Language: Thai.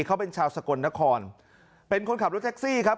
เขาเป็นชาวสกลนครเป็นคนขับรถแท็กซี่ครับ